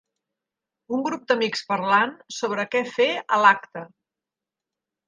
Un grup d'amics parlant sobre què fer a l'acte.